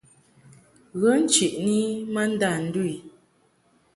Ghə ncheʼni i ma ndâ ndu i.